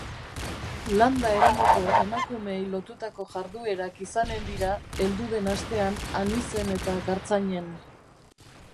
Landa eremuko emakumeei lotutako jarduerak izanen dira heldu den astean Anizen eta Gartzainen